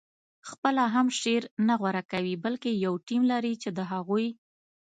خپله هم شعر نه غوره کوي بلکې یو ټیم لري چې د هغوی